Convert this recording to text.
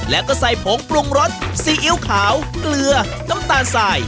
แล้วก็ใส่ผงปรุงรสซีอิ๊วขาวเกลือน้ำตาลสาย